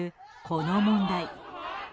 この問題。